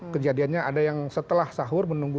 kejadiannya ada yang setelah sahur menunggu